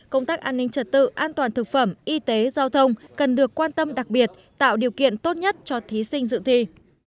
công tác an ninh trật tự an toàn thực phẩm y tế giao thông cần được quan tâm đặc biệt tạo điều kiện tốt nhất cho thí sinh dự thi